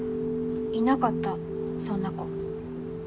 いなかったそんな子。